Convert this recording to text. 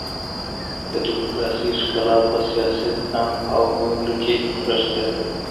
د ډيموکراسۍ ښکلا په سياسي زغم او منلو کي نغښتې ده.